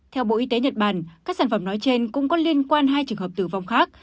theo bộ y tế nhật bản các sản phẩm nói trên cũng có liên quan hai trường hợp tử vong khác